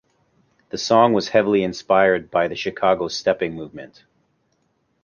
The song was heavily inspired by the Chicago stepping movement.